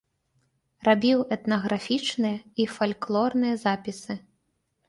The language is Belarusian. Рабіў этнаграфічныя і фальклорныя запісы.